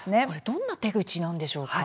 どんな手口なんでしょうか。